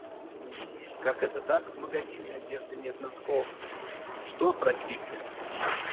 Как это так, в магазине одежды нет носков? Что, простите?